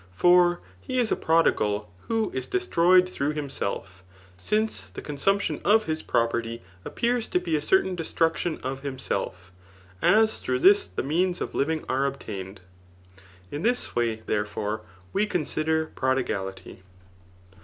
For he is a prodigal, who is destroyed through him self; since the consumption of his property appears to be a certain destruction of himself^ as through this the means of Jiving are obtahied. In this way, therrfore, we consi der prodigality.